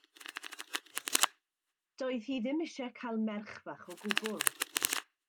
Doedd hi ddim eisiau cael merch fach o gwbl.